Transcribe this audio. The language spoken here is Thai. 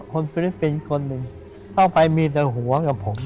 ฟิลิปปินส์คนหนึ่งเข้าไปมีแต่หัวกับผม